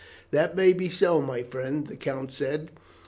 "That may be so, my friend," the count said.